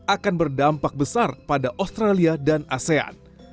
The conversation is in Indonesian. akan berdampak besar pada australia dan asean